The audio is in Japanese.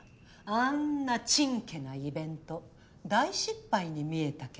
あんなちんけなイベント大失敗に見えたけど？